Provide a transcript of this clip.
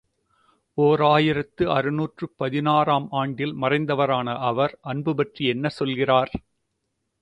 ஓர் ஆயிரத்து அறுநூற்று பதினாறு ஆம் ஆண்டில் மறைந்தவரான அவர், அன்பு பற்றி என்ன சொல்கிறார்?